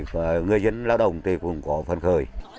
với tinh thần là